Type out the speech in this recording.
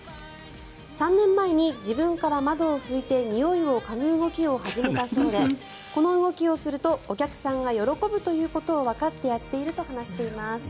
３年前に自分から窓を拭いてにおいを嗅ぐ動きを始めたそうでこの動きをするとお客さんが喜ぶということをわかってやっていると話しています。